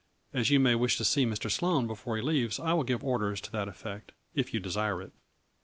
As you may wish to see Mr. Sloane before he leaves I will give orders to that effect, if you desire it."